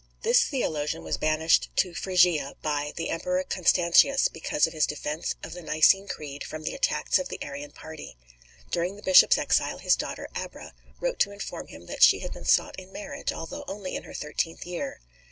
This theologian was banished to Phrygia by the Emperor Constantius, because of his defence of the Nicene Creed from the attacks of the Arian party. During the bishop's exile, his daughter, Abra, wrote to inform him that she had been sought in marriage, although only in her thirteenth year.